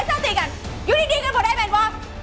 ยืนดีกันก่อนไอ้แมนวอร์ฟ